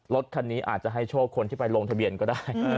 รถคันนี้อาจจะให้โชคคนที่ไปลงทะเบียนก็ได้